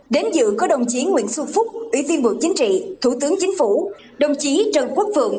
đến dự có đồng chí nguyễn xuân phúc ủy viên bộ chính trị thủ tướng chính phủ đồng chí trần quốc vượng